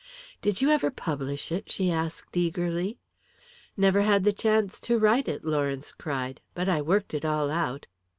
"Did you ever publish it?" she asked, eagerly. "Never had the chance to write it," Lawrence cried. "But I worked it all out.